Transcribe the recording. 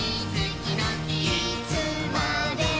「いつまでも」